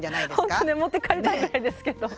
ほんとに持って帰りたいぐらいですけど。